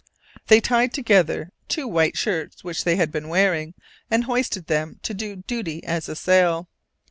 They tied together two white shirts which they had been wearing, and hoisted them to do duty as a sail.